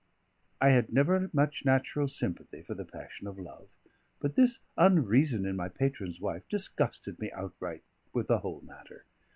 I had never much natural sympathy for the passion of love; but this unreason in my patron's wife disgusted me outright with the whole matter.